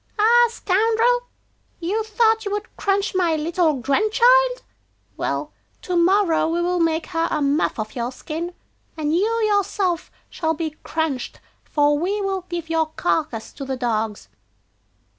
'Ah, scoundrel! you thought you would crunch my little grandchild! Well, to morrow we will make her a muff of your skin, and you yourself shall be crunched, for we will give your carcass to the dogs.